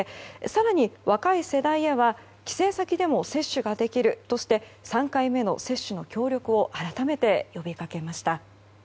更に若い世代へは帰省先でも接種ができるとして３回目の接種の協力を改めて呼びかけました。